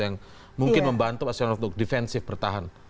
yang mungkin membantu pak setia novanto untuk defensif bertahan